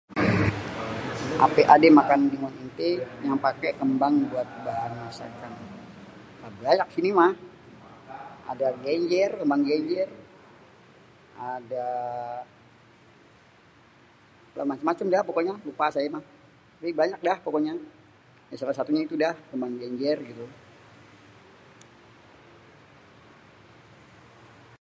Apê ajê makanan di entê yang pakê kembang buat bahan masakan? Lah banyak di sini mah, ada gênjêr, kémbang gênjêr, ada macem-macem dah pokoknya lupa saya mah tapi banyak dah pokoknya salah satunya itu dah kémbang gênjêr gitu.